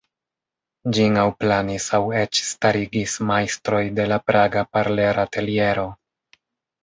Ĝin aŭ planis aŭ eĉ starigis majstroj de la praga Parler-ateliero.